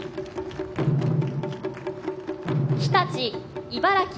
日立・茨城。